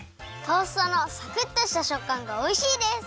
トーストのサクッとしたしょっかんがおいしいです！